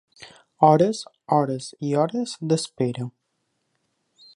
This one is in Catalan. Hores, hores i hores d’espera.